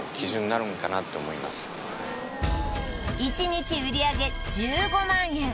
１日売上１５万円